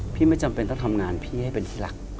ไม่จำเป็นต้องทำงานพี่ให้เป็นที่รัก